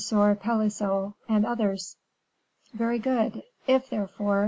Pelisson, and others." "Very good; if, therefore, M.